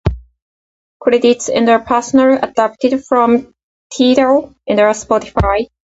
Credits and personnel adapted from Tidal and Spotify.